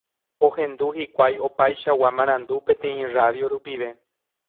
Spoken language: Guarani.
Ohendu hikuái opaichagua marandu peteĩ radio rupive.